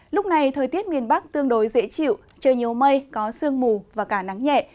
lúc này thời tiết miền bắc tương đối dễ chịu trời nhiều mây có sương mù và cả nắng nhẹ